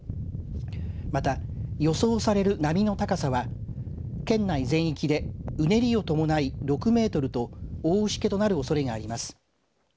また、予想される波の高さは県内全域でうねりを伴い６メートルと大しけとなるおそれがあります。